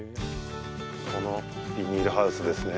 このビニールハウスですね。